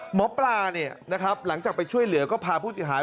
หมอปลาหลังจากไปช่วยเหลือก็พาผู้เสียหาย